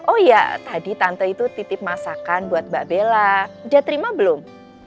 oh ya tadi tante itu titip masakan buat mbak bella udah terima belum